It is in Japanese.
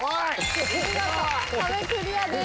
見事壁クリアです。